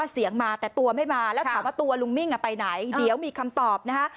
เดี๋ยวมีคำตอบนะคะ